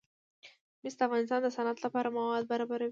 مس د افغانستان د صنعت لپاره مواد برابروي.